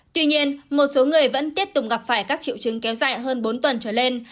tuy nhiên một số người vẫn tiếp tục gặp phải các triệu chứng kéo dài hơn bốn tuần trở lên